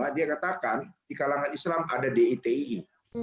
dia katakan di kalangan islam ada diti